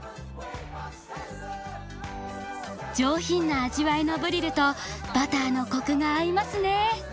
上品な味わいのブリルとバターのコクが合いますね。